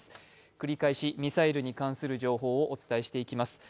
繰り返し、ミサイルに関する情報をお伝えしてまいります。